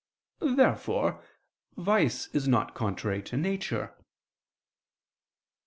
Therefore vice is not contrary to nature.